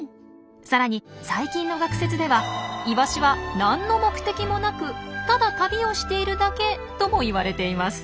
さらに最近の学説ではイワシは何の目的もなくただ旅をしているだけともいわれています。